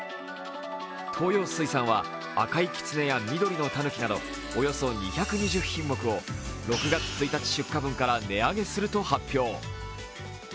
東洋水産は、赤いきつねや緑のたぬきなどおよそ２２０品目を６月１日出荷分から値上げすると発表。